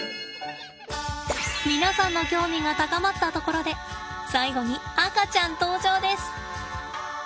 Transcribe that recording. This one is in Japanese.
皆さんの興味が高まったところで最後に赤ちゃん登場です。